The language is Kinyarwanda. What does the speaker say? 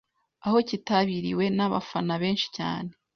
aho cyitabiriwe n’abafana benshi cyane